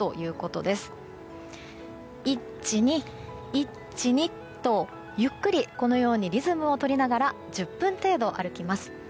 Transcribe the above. １、２、１、２とゆっくりこのようにリズムをとりながら１０分程度、歩きます。